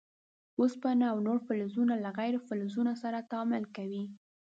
اوسپنه او نور فلزونه له غیر فلزونو سره تعامل کوي.